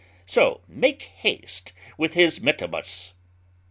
So make haste with his mittimus."